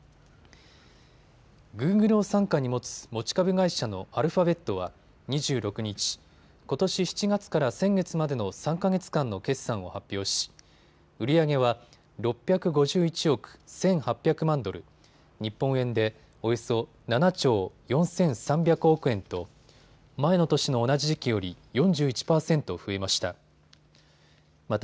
グーグルを傘下に持つ持ち株会社のアルファベットは２６日、ことし７月から先月までの３か月間の決算を発表し売り上げは６５１億１８００万ドル、日本円でおよそ７兆４３００億円と前の年の同じ時期より４１％増えました。